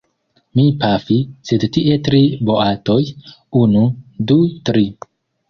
Mi pafi, sed tie tri boatoj, unu, du, tri!